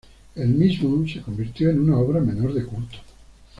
El mismo se convirtió en una obra menor de culto.